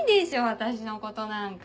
私のことなんか。